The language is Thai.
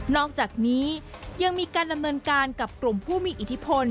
อกจากนี้ยังมีการดำเนินการกับกลุ่มผู้มีอิทธิพล